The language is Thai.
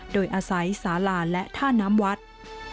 โดยอาศัยสาหร่าและท่าน้ำวัฒน์